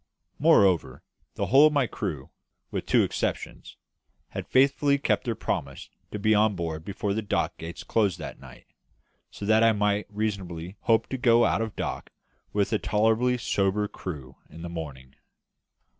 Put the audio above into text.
Moreover, the whole of my crew, with two exceptions, had faithfully kept their promise to be on board before the dock gates closed that night, so that I might reasonably hope to go out of dock with a tolerably sober crew in the morning.